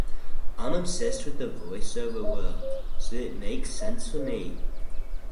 I'm obsessed with the voice-over world, so it makes sense for me.